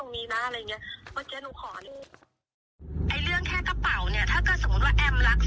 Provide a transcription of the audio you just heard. มาตามหาของคือหนูไม่ได้คือตอนนี้หนูก็กลัวไปหมดอ่ะพี่